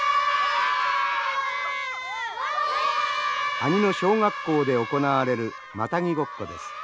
阿仁の小学校で行われるマタギごっこです。